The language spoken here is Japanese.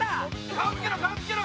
顔つけろ顔つけろ！